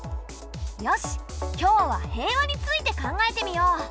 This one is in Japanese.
よし今日は平和について考えてみよう。